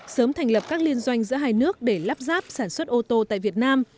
sớm thành lập các liên doanh giữa hai nước để lắp ráp sản xuất ô tô tại việt nam